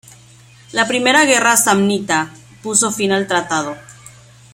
La primera guerra samnita puso fin al tratado.